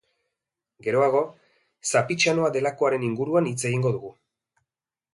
Geroago, zapitxanoa delakoaren inguruan hitz egingo dugu.